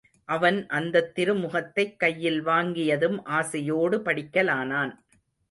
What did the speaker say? அவன் அந்தத் திருமுகத்தைக் கையில் வாங்கியதும் ஆசையோடு படிக்கலானான்.